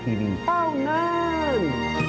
เต้องาน